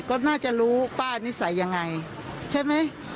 ก็น่าจะรู้ป้านิสัยยังไงใช่ไหม